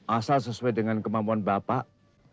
asal sesuai dengan kemampuan bapak